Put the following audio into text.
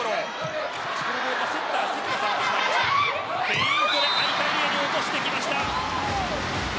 フェイントで間に落としてきました。